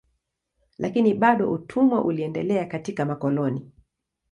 Lakini bado utumwa uliendelea katika makoloni.